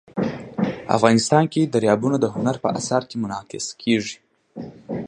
افغانستان کې دریابونه د هنر په اثار کې منعکس کېږي.